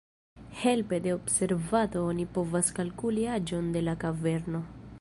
Helpe de observado oni povas kalkuli aĝon de la kaverno.